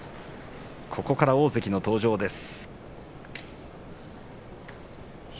ここから大関の登場です。